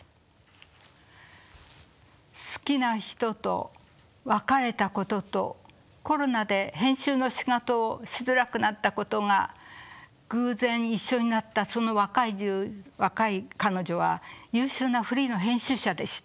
好きな人と別れたこととコロナで編集の仕事をしづらくなったことが偶然一緒になったその若い彼女は優秀なフリーの編集者でした。